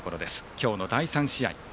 今日の第３試合。